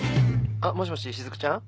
あっもしもし雫ちゃん？